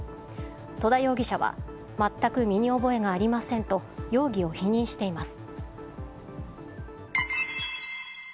戸田容疑者は全く身に覚えがありませんと容疑を否認しています。